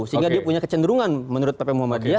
sehingga dia punya kecenderungan menurut pp muhammadiyah